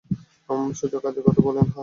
সোজা কাজের কথা বললে, হাহ?